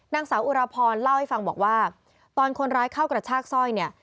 นางสาวอุรพรเล่าให้ฟังบอกว่าตอนคนร้ายเข้ากระชากสร้อยเนี่ย